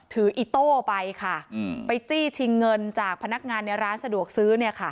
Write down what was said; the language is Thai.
อีโต้ไปค่ะไปจี้ชิงเงินจากพนักงานในร้านสะดวกซื้อ